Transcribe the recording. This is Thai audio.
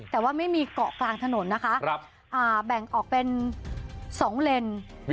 แต่ว่าไม่มีเกาะกลางถนนนะคะแบ่งออกเป็น๒เลน